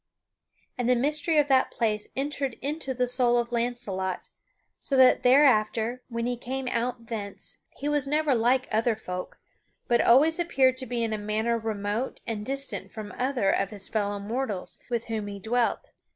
And the mystery of that place entered into the soul of Launcelot, so that thereafter, when he came out thence, he was never like other folk, but always appeared to be in a manner remote and distant from other of his fellow mortals with whom he dwelt.